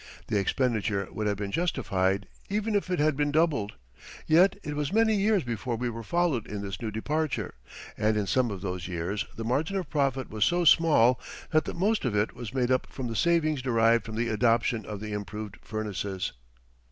The expenditure would have been justified, even if it had been doubled. Yet it was many years before we were followed in this new departure; and in some of those years the margin of profit was so small that the most of it was made up from the savings derived from the adoption of the improved furnaces.